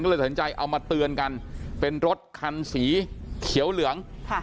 ก็เลยตัดสินใจเอามาเตือนกันเป็นรถคันสีเขียวเหลือง